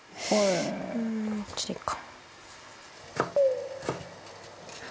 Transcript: こっちでいいか。